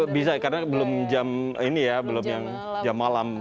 bisa karena belum jam ini ya belum yang jam malam